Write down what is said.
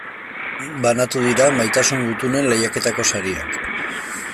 Banatu dira Maitasun Gutunen lehiaketako sariak.